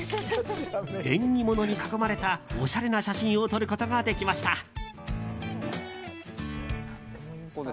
縁起物に囲まれたおしゃれな写真を撮ることができました。